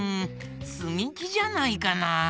つみきじゃないかな？